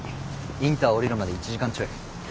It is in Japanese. インター降りるまで１時間ちょい。